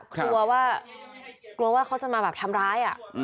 กลัวว่าเจ้าจะมาทำร้าย